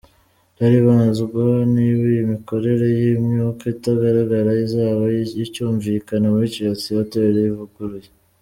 Haribazwa niba iyi mikorere y’imyuka itagaragara izaba icyumvikana muri Chelsea Hotel ivuguruye.